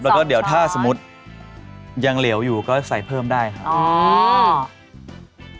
แล้วก็เดี๋ยวถ้าสมมุติยังเหลวอยู่ก็ใส่เพิ่มได้ครับ